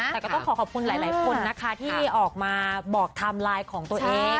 แต่ก็ต้องขอขอบคุณหลายคนนะคะที่ออกมาบอกไทม์ไลน์ของตัวเอง